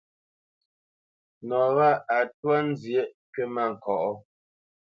Nɔ wâ a twá nzyə̌ʼ kywítmâŋkɔʼ.